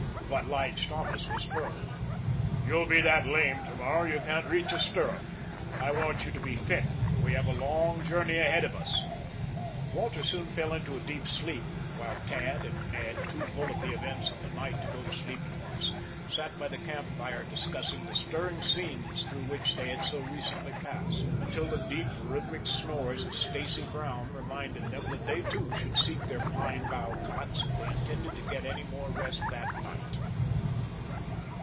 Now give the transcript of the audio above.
But Lige Thomas was firm. "You'll be that lame, to morrow, you can't reach a stirrup. I want you to be fit, for we have a long journey ahead of us." Walter soon fell into a deep sleep, while Tad and Ned, too full of the events of the night to go to sleep at once, sat by the camp fire discussing the stirring scenes through which they had so recently passed, until the deep, rhythmic snores of Stacy Brown reminded them that they, too, should seek their pine bough cots if they intended to get any more rest that night.